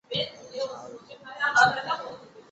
区政府驻地为农通。